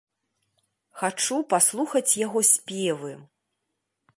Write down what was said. Хачу паслухаць яго спевы!